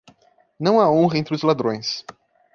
Não há honra entre os ladrões.